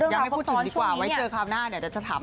ยังไม่พูดถึงดีกว่าเว้าเจอข้ามหน้าแต่จะถามภาพ